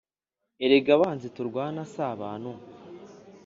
Erega abanzi turwana si abantu